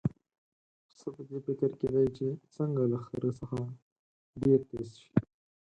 پسه په دې فکر کې دی چې څنګه له خره څخه ډېر تېز شي.